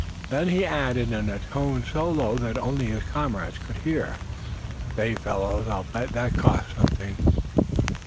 Then he added, in a tone so low that only his comrades could hear: "Say, fellows, I'll bet that cost something!"